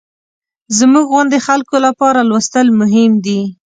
زموږ غوندې خلکو لپاره لوستل مهم دي.